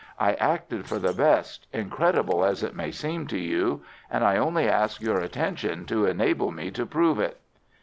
I acted for the best, incredible as it may seem to you, and I only ask your attention to enable me to prove it."